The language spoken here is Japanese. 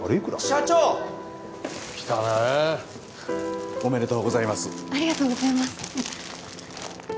社長来たなおめでとうございますありがとうございます